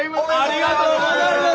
ありがとうございます！